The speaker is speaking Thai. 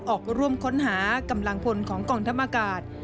ออกร่วมค้นหากำลังพลของกองทัพอากาศ